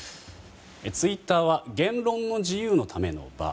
ツイッターは言論の自由のための場。